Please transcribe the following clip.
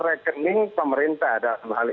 rekening pemerintah ada hal